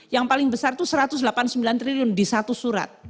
yang paling besar itu satu ratus delapan puluh sembilan triliun di satu surat